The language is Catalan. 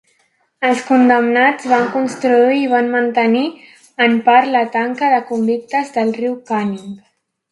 Els condemnats van construir i van mantenir en part la tanca de convictes del riu Canning.